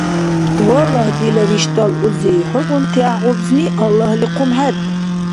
Валлагь, дила виштӀал узи, хӀугъунти гӀяхӀгъубзни Аллагьли хъумхӀерту.